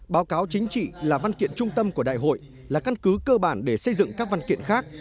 báo cáo chính trị là văn kiện trung tâm của đại hội là căn cứ cơ bản để xây dựng các văn kiện khác